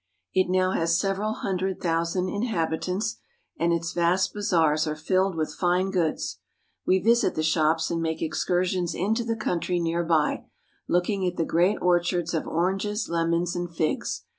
It now has several hun dred thousand inhabitants, and its vast bazaars are filled with fine goods. We visit the shops and make excursions into the country near by, looking at the great orchards of oranges, lemons, and figs.